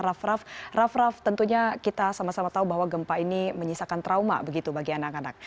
raff raff raff tentunya kita sama sama tahu bahwa gempa ini menyisakan trauma begitu bagi anak anak